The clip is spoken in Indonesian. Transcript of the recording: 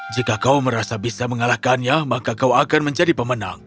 jika kau merasa bisa mengalahkannya maka kau akan menjadi pemenang